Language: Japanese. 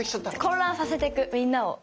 混乱させてくみんなを。